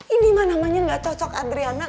ini mah namanya gak cocok adriana